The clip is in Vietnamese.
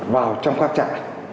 vào trong các trại